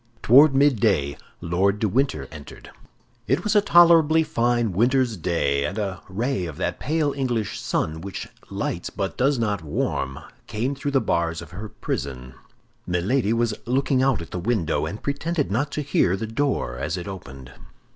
Toward midday, Lord de Winter entered. It was a tolerably fine winter's day, and a ray of that pale English sun which lights but does not warm came through the bars of her prison. Milady was looking out at the window, and pretended not to hear the door as it opened.